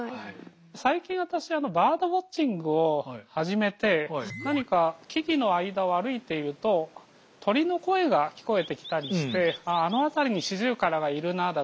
最近私はバードウォッチングを始めて何か木々の間を歩いていると鳥の声が聞こえてきたりしてあっあの辺りにシジュウカラがいるなだとか